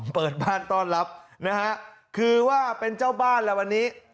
เปิดบ้านต้อนรับนะฮะคือว่าเป็นเจ้าบ้านแล้ววันนี้